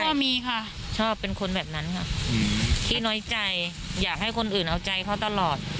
ก็มีค่ะชอบเป็นคนแบบนั้นค่ะขี้น้อยใจอยากให้คนอื่นเอาใจเขาตลอด